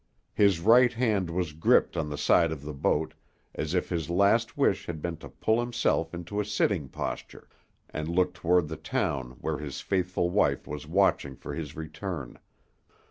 His right hand was gripped on the side of the boat, as if his last wish had been to pull himself into a sitting posture, and look toward the town where his faithful wife was watching for his return.